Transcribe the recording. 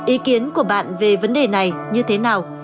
ý kiến của bạn về vấn đề này như thế nào